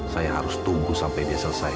saya harus tunggu sampai dia selesai